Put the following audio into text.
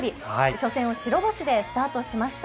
初戦を白星でスタートしました。